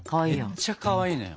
めっちゃかわいいのよ。